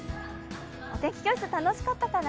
お天気教室、楽しかったかな？